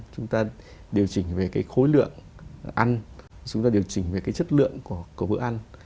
chúng ta điều chỉnh về cái khối lượng ăn chúng ta điều chỉnh về cái chất lượng của bữa ăn